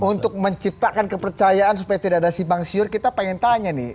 untuk menciptakan kepercayaan supaya tidak ada simpang siur kita pengen tanya nih